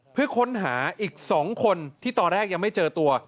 เพื่อค้นหาอีก๒คนที่ตอนแรกยังไม่เจอตัว